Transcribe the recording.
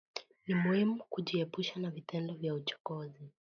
Ni muhimu kujiepusha na vitendo vya uchokozi